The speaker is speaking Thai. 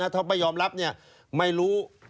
ถ้าไปยอมรับเนี่ยไม่รู้